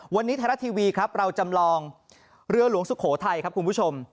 วันนี้ไทยรัฐทีวีครับเราจำลองเรือหลวงสุโขทัยครับคุณผู้ชม